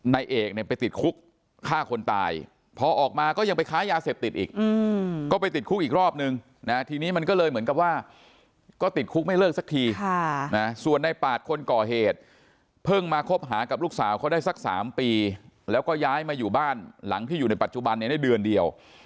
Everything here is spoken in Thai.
นายเอกเนี่ยไปติดคุกฆ่าคนตายพอออกมาก็ยังไปค้ายาเสพติดอีกก็ไปติดคุกอีกรอบนึงนะทีนี้มันก็เลยเหมือนกับว่าก็ติดคุกไม่เลิกสักทีส่วนในปาดคนก่อเหตุเพิ่งมาคบหากับลูกสาวเขาได้สัก๓ปีแล้วก็ย้ายมาอยู่บ้านหลังที่อยู่ในปัจจุบันเนี่ยได้เดือนเดียว